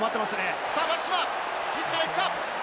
松島、自らいくか？